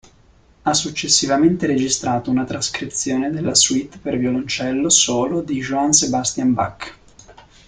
Ha successivamente registrato una trascrizione delle suite per violoncello solo di Johann Sebastian Bach.